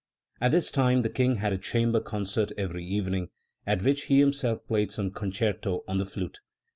At this time the King had a chamber con cert every evening, at which he himself played some concerto on the flute.